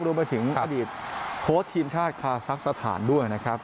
รวมไปถึงอดีตโค้ชทีมชาติคาซักสถานด้วยนะครับ